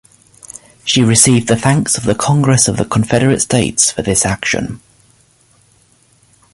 She received the thanks of the Congress of the Confederate States for this action.